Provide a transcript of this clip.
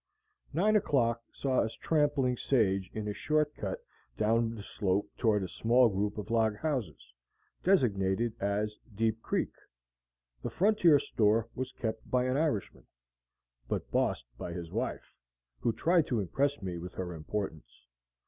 Nine o'clock saw us trampling sage in a short cut down the slope toward a small group of log houses, designated as Deep Creek. The frontier store was kept by an Irishman, but bossed by his wife, who tried to impress me with her importance.